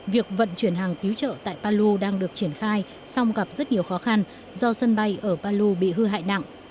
việc vận chuyển hàng cứu trợ tại palu đang được triển khai song gặp rất nhiều khó khăn do sân bay ở palu bị hư hại nặng